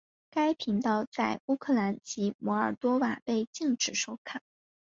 该频道在乌克兰及摩尔多瓦被禁止收看。